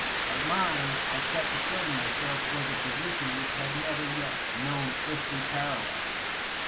But mine, I kept assuring myself, was a position which had never yet known earthly parallel.